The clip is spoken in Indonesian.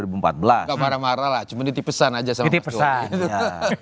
gak marah marah lah cuma ditipesan aja sama pak jokowi